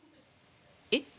「えっ？